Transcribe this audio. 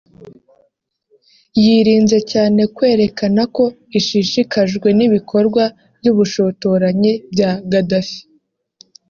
yirinze cyane kwerekana ko ishishikajwe n’ibikorwa by’ubushotoranyi bya Gaddafi